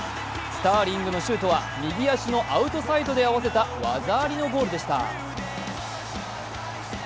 スターリングのシュートは右足のアウトサイドで合わせた技ありのゴールでした。